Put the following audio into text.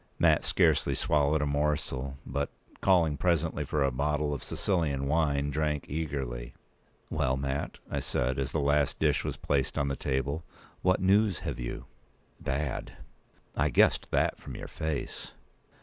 Mat scarcely swallowed a morsel; but, calling presently for a bottle of Sicilian wine, drank eagerly. "Well, Mat," I said, as the last dish was placed on the table, "what news have you?" "Bad." "I guessed that from your face."